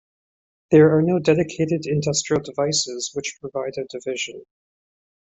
There are no dedicated industrial devices which provide a division.